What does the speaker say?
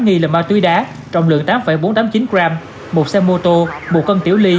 nghi là ma túy đá trọng lượng tám bốn trăm tám mươi chín g một xe mô tô một cân tiểu ly